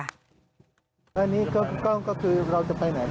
อันนี้ก็คือเราจะไปไหนนะ